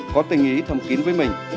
có tình ý thâm kín với mình